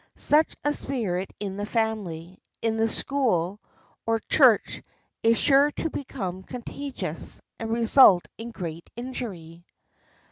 Such a spirit in the family, in the school or Church is sure to become contagious, and result in great injury.